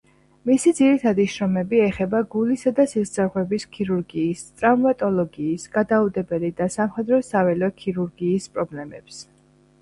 მისი ძირითადი შრომები ეხება გულისა და სისხლძარღვების ქირურგიის, ტრავმატოლოგიის, გადაუდებელი და სამხედრო-საველე ქირურგიის პრობლემებს.